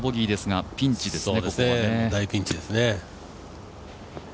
大ピンチですね。